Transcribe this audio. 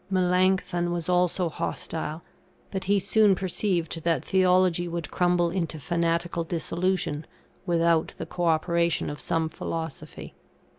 Melancthon was also hostile; but he soon perceived that Theology would crumble into fanatical dissolution without the co operation of some philosophy.